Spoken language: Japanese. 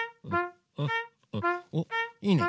おっいいね！